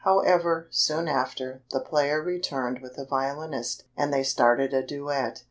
However, soon after the player returned with a violinist, and they started a duet.